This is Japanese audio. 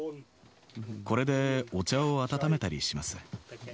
これでお茶を温めたりします。